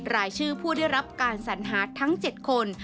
รายชื่อผู้ได้รับการสัญหาทั้ง๗คน